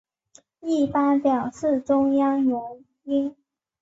一般表示中央元音。